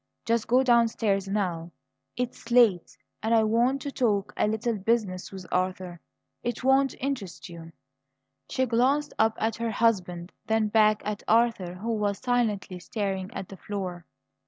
Just go downstairs now; it's late, and I want to talk a little business with Arthur. It won't interest you." She glanced up at her husband; then back at Arthur, who was silently staring at the floor.